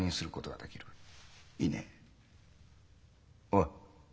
おい。